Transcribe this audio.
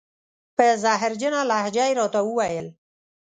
په زهرجنه لهجه یې را ته و ویل: